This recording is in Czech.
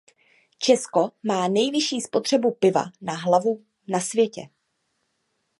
Česko má nejvyšší spotřebu piva na hlavu na světě.